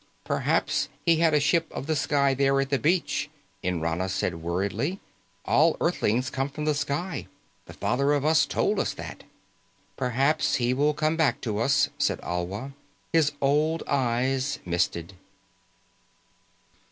"Perhaps he had a ship of the sky there at the beach," Nrana said worriedly. "All Earthlings come from the sky. The Father of Us told us that." "Perhaps he will come back to us," said Alwa. His old eyes misted.